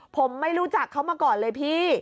ผมไม่รู้จักเขามาก่อนเลยพี่